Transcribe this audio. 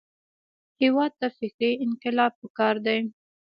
هېواد ته فکري انقلاب پکار دی